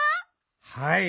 はい。